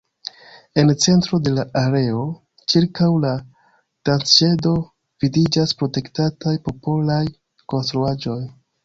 En centro de la areo, ĉirkaŭ la"Dancŝedo" vidiĝas protektataj popolaj konstruaĵoj.